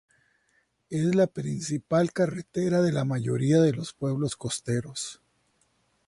Es la principal carretera de la mayoría de los pueblos costeros.